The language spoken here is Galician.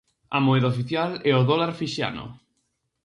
A moeda oficial é o dólar fixiano.